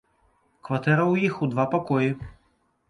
Кватэра ў іх у два пакоі.